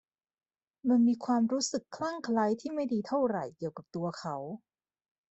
มันมีความรู้สึกคลั่งไคล้ที่ไม่ดีเท่าไหร่เกี่ยวกับตัวเขา